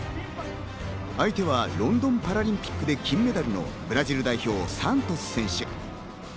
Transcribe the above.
相手はロンドンパラリンピックで金メダルのブラジル代表・サントス選手。